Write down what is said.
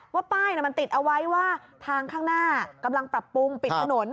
ว่าป้ายมันติดเอาไว้ว่าทางข้างหน้ากำลังปรับปรุงปิดถนน